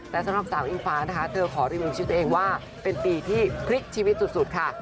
แต่สำหรับสาวอิงฟ้านะคะเธอขอรีวิวชีวิตตัวเองว่าเป็นปีที่พลิกชีวิตสุดค่ะ